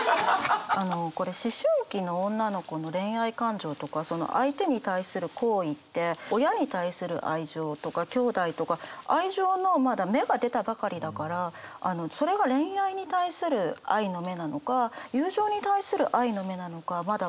あのこれ思春期の女の子の恋愛感情とか相手に対する好意って親に対する愛情とかきょうだいとか愛情のまだ芽が出たばかりだからそれが恋愛に対する愛の芽なのか友情に対する愛の芽なのかまだ分からないと思うんです。